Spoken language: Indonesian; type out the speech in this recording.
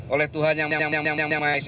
oleh tuhan yang maha esa